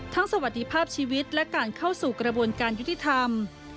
สวัสดีภาพชีวิตและการเข้าสู่กระบวนการยุติธรรม